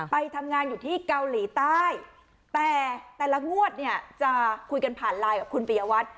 ไปทำงานอยู่ที่เกาหลีใต้แต่แต่ละงวดเนี่ยจะคุยกันผ่านไลน์กับคุณปียวัตร